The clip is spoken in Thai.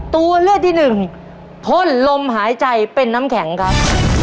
ตัวเลือกที่หนึ่งพ่นลมหายใจเป็นน้ำแข็งครับ